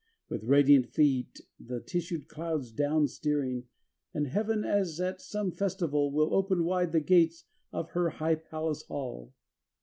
With radiant feet the tissued clouds down steering; And Heaven, as at some festival, Will open wide the gates of her high palace hall.